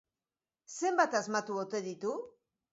Zenbat asmatu ote ditu?